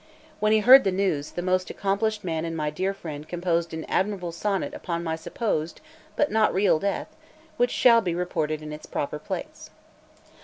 When he heard the news, that most accomplished man and my dear friend composed an admirable sonnet upon my supposed but not real death, which shall be reported in its proper place.